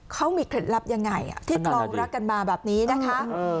เขามีเคล็ดลับยังไงที่คลองรักกันมาแบบนี้นะคะ